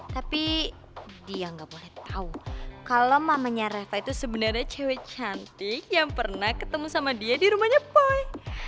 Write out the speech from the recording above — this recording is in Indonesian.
tapi dia gak boleh tau kalo mamanya reva itu sebenarnya cewek cantik yang pernah ketemu sama dia di rumahnya boy